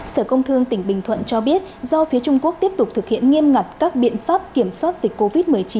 sở công thương tỉnh bình thuận cho biết do phía trung quốc tiếp tục thực hiện nghiêm ngặt các biện pháp kiểm soát dịch covid một mươi chín